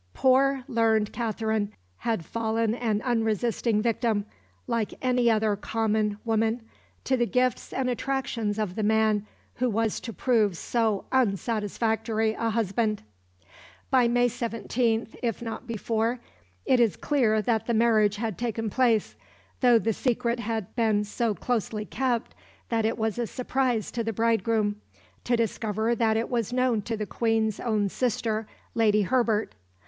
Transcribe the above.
Poor, learned Katherine had fallen an unresisting victim, like any other common woman, to the gifts and attractions of the man who was to prove so unsatisfactory a husband! By May 17, if not before, it is clear that the marriage had taken place, though the secret had been so closely kept that it was a surprise to the bridegroom to discover that it was known to the Queen's own sister, Lady Herbert.